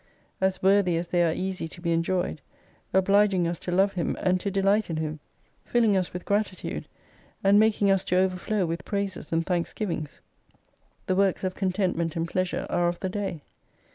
As worthy as they are easy to be enjoyed : obliging us to love Him and to delight in Him, filling us with gratitude, and making us to overflow with praises and thanks givings. The works of contentment and pleasure are of the Day.